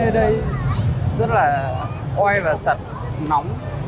rất là oai và chặt nóng